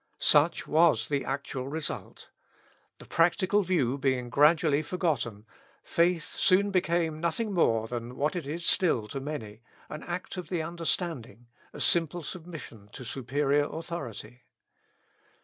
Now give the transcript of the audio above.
Such was the actual result. The practical view being gradually forgotten, faith soon became nothing more than what it still is to many an act of the understanding a simple submission to superior authority.